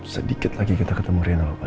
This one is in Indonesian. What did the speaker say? sedikit lagi kita ketemu reina pak